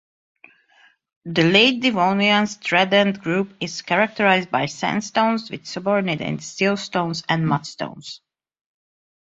The late Devonian Stratheden Group is characterised by sandstones with subordinate siltstones and mudstones.